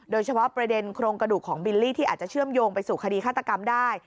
โดยเฉพาะประเด็นโครงกระดูกของบิลลี่ที่อาจจะเชื่อมโยงไปสู่คดีฆาตกรรมได้